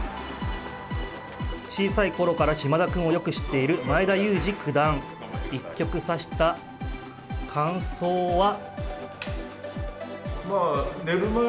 小さい頃から嶋田くんをよく知っている前田祐司九段一局指した感想は。